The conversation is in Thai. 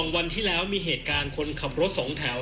วันที่แล้วมีเหตุการณ์คนขับรถ๒แถว